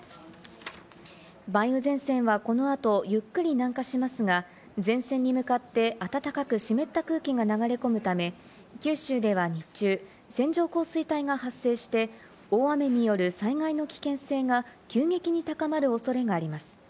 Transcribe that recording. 梅雨前線はこの後ゆっくり南下しますが、前線に向かって暖かく湿った空気が流れ込むため、九州では日中、線状降水帯が発生して大雨による災害の危険性が急激に高まる恐れがあります。